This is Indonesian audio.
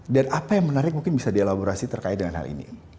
dan apa yang menarik mungkin bisa dialaborasi terkait dengan hal ini